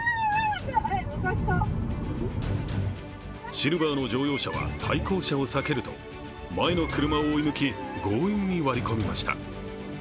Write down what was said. シルバーの乗用車は対向車を避けると前の車を追い抜き強引に割り込みました。